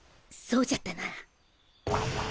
そうじゃったな。